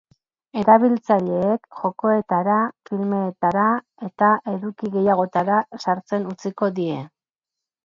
Erabiltzaileek jokoetara, filmetara eta eduki gehiagotara sartzen utziko die.